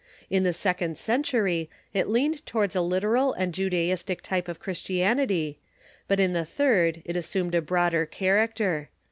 In the second century it leaned towards a literal and Judaistic type of Christianity, but in the third it assumed a broader character.